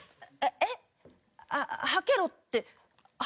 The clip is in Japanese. えっ？